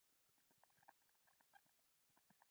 کوتره د طبیعت یوه نغمه ده.